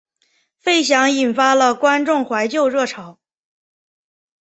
费翔引发了观众怀旧热潮。